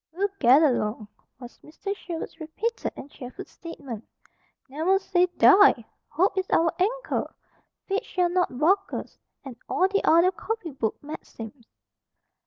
"We'll get along!" was Mr. Sherwood's repeated and cheerful statement. "Never say die! Hope is our anchor! Fate shall not balk us! And all the other copy book maxims."